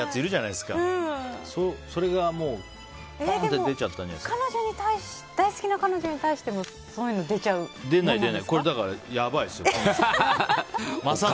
でも大好きな彼女に対してもそういうの出ちゃうんですか？